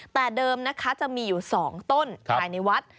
แต่เดิมนะคะจะมีอยู่๒ต้นภายในวัด